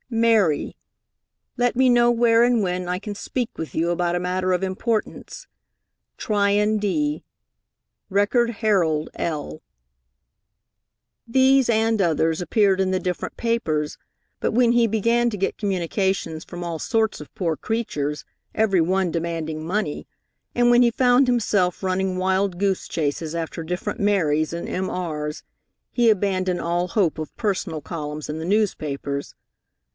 "Mary," let me know where and when I can speak with you about a matter of importance. Tryon D., Record Herald L. These and others appeared in the different papers, but when he began to get communications from all sorts of poor creatures, every one demanding money, and when he found himself running wild goose chases after different Marys and M.R.s, he abandoned all hope of personal columns in the newspapers.